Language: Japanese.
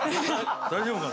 大丈夫か？